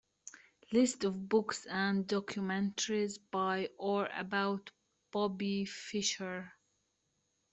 List of books and documentaries by or about Bobby Fischer